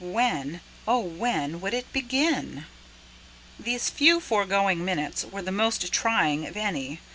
When, oh, when would it begin? These few foregoing minutes were the most trying of any.